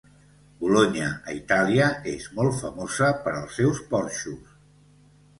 Bolonya, a Itàlia, és molt famosa pels seus porxos.